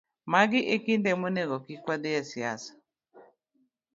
Magi e kinde monego kik wadhi e siasa